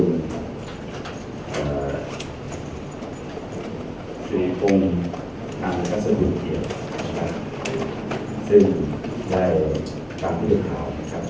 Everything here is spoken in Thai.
เอ่อสุริยะกรุงพรรณสถุภิเวณนะครับซึ่งได้ตามที่เจอกล่าวนะครับ